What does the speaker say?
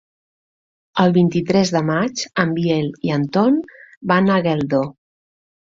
El vint-i-tres de maig en Biel i en Ton van a Geldo.